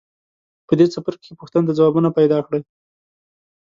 په دې څپرکي کې پوښتنو ته ځوابونه پیداکړئ.